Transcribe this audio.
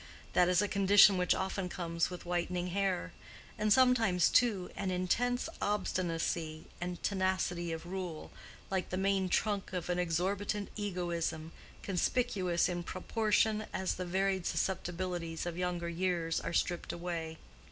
That is a condition which often comes with whitening hair; and sometimes, too, an intense obstinacy and tenacity of rule, like the main trunk of an exorbitant egoism, conspicuous in proportion as the varied susceptibilities of younger years are stripped away.